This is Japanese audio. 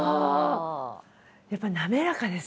やっぱ滑らかですね。